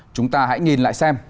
chúng ta hãy nhìn lại xem